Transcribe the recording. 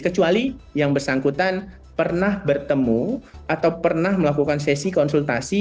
kecuali yang bersangkutan pernah bertemu atau pernah melakukan sesi konsultasi